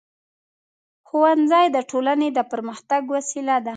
ښوونځی د ټولنې د پرمختګ وسیله ده.